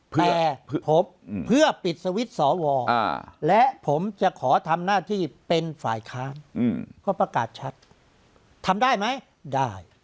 แต่ผมเพื่อปิดสวิตช์สวและผมจะขอทำหน้าที่เป็นฝ่ายค้านก็ประกาศชัดทำได้ไหมได้